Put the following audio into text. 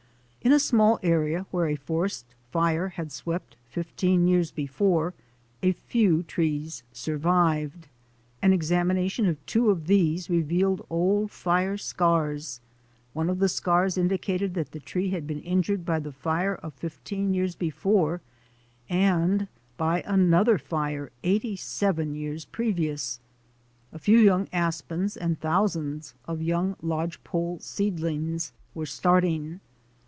In a small area, where a forest fire had swept fifteen years before, a few trees had survived. An examination of two of these revealed old fire scars. One of the scars indicated that the tree had been injured by the fire of fifteen years before and by another fire eighty seven years previous. A few young aspens and thousands of young lodgepole seedlings were starting.